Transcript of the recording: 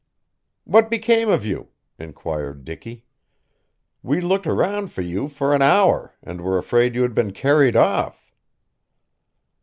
"What became of you?" inquired Dicky. "We looked around for you for an hour, and were afraid you had been carried off."